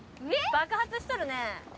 爆発しとるね